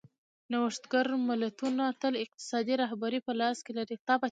نوښتګر ملتونه تل اقتصادي رهبري په لاس کې لري.